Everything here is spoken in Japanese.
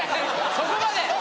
そこまで！